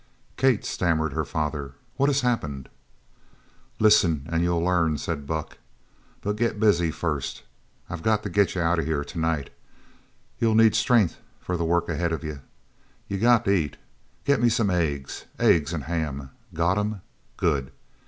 "Kate," stammered her father, "what has happened?" "Listen an' you'll learn," said Buck. "But get busy first. I got to get you out of here tonight. You'll need strength for the work ahead of you. You got to eat. Get me some eggs. Eggs and ham. Got 'em? Good.